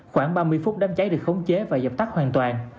khoảng ba mươi phút đám cháy được khống chế và dập tắt hoàn toàn